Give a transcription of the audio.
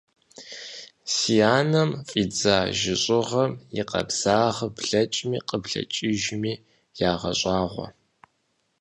Си анэм фӏидзэ жьыщӏыгъэм и къабзагъыр блэкӏми къыблэкӏыжми ягъэщӏагъуэ!